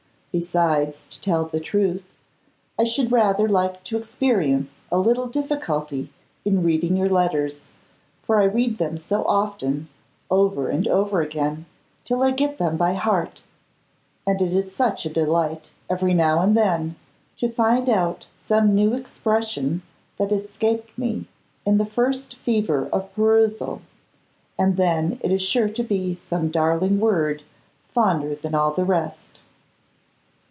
Besides, to tell the truth, I should rather like to experience a little difficulty in reading your letters, for I read them so often, over and over again, till I get them by heart, and it is such a delight every now and then to find out some new expression that escaped me in the first fever of perusal; and then it is sure to be some darling word, fonder than all the rest!